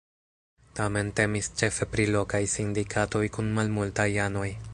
Tamen temis ĉefe pri lokaj sindikatoj kun malmultaj anoj.